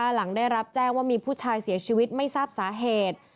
หลังได้รับแจ้งว่ามีผู้ชายเสียชีวิตไม่ทราบสาเหตุ